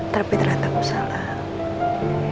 tapi ternyata aku salah